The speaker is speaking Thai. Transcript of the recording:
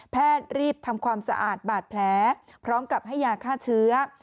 รีบทำความสะอาดบาดแผลพร้อมกับให้ยาฆ่าเชื้อ